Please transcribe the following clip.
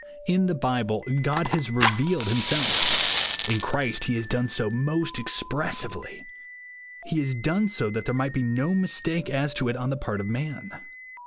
In the Bible God has revealed himself. In Christ he has done so most expressively. He has done so that there might be no mistake as to it on the part of man.